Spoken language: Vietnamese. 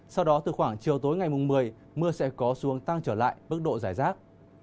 sau đó từ khoảng chiều tối ngày mùng một mươi mưa sẽ có xuống tăng trở lại mức độ giải rác